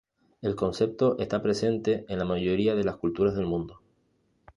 El concepto está presente en la mayoría de las culturas del mundo.